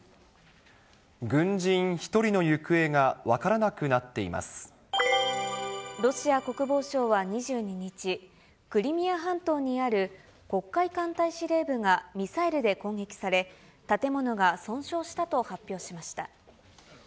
軍人１人の行方が分からなくロシア国防省は２２日、クリミア半島にある黒海艦隊司令部がミサイルで攻撃され、建物が損傷したと発表しました。